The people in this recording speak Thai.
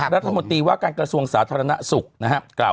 รัฐมนตรีว่าการกระทรวงสาธารณสุขนะครับกล่าว